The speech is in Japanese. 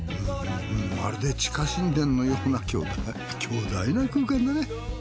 まるで地下神殿のような巨大な空間だね。